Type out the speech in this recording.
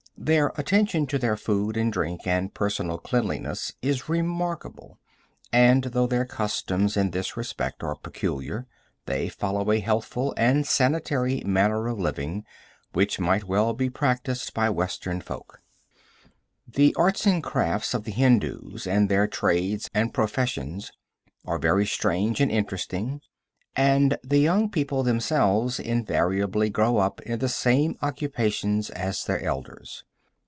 Their attention to their food and drink and personal cleanliness is remarkable, and, though their customs in this respect are peculiar, they follow a healthful and sanitary manner of living which might well be practised by Western folk. The arts and crafts of the Hindus and their trades and professions are very strange and interesting, and the young people themselves invariably grow up in the same occupations as their elders.